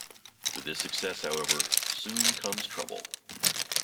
With this success, however, soon comes trouble.